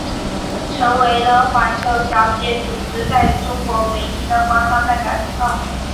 成为了环球小姐组织在中国唯一的官方代表机构。